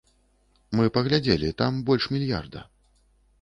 Мы паглядзелі, там больш мільярда.